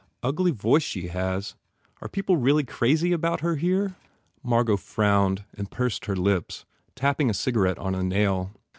Ugly voice she has. Are people really crazy about her here?" Margot frowned and pursed her lips, tapping a cigarette on a nail.